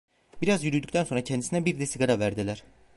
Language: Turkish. Biraz yürüdükten sonra kendisine bir de sigara verdiler…